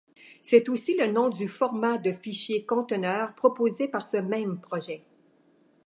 C’est aussi le nom du format de fichier conteneur proposé par ce même projet.